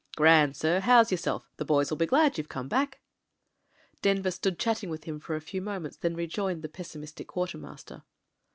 "Grand, sir. How's yourself? The boys will be glad you've come back." Denver stood chatting with him for a few moments and then rejoined the pessimistic quartermaster.